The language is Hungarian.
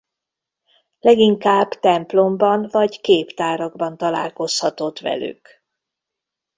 Leginkább templomban vagy képtárakban találkozhatott velük.